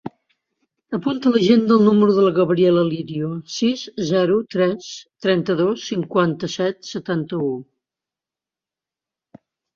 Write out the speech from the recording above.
Apunta a l'agenda el número de la Gabriela Lirio: sis, zero, tres, trenta-dos, cinquanta-set, setanta-u.